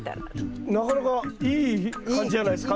なかなかいい感じじゃないですか。